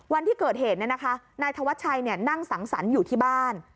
วันที่เกิดเหตุเนี่ยนะคะนายธวัชชัยเนี่ยนั่งสังสรรค์อยู่ที่บ้าน